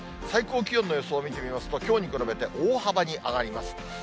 最高気温の予想を見ますと、きょうに比べて大幅に上がります。